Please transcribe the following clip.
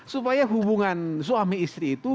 supaya hubungan suami istri itu